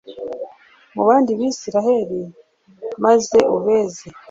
mu bandi Bisirayeli maze ubeze